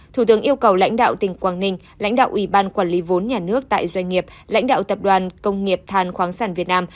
thủ tướng yêu cầu lãnh đạo tỉnh quảng ninh lãnh đạo ủy ban quản lý vốn nhà nước tại doanh nghiệp lãnh đạo tập đoàn công nghiệp than khoáng sản việt nam